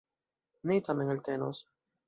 Ni tamen eltenos.